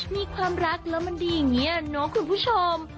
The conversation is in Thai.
มีความรักแล้วมันดีอย่างนี้เนาะคุณผู้ชม